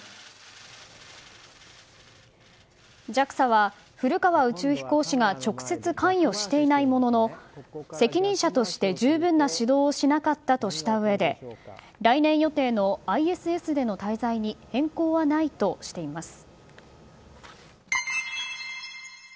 ＪＡＸＡは古川宇宙飛行士が直接関与していないものの責任者として十分な指導をしていなかったとしたうえで来年予定のＩＳＳでの滞在に変更はないとしています。